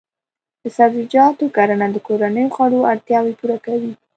د سبزیجاتو کرنه د کورنیو خوړو اړتیاوې پوره کوي.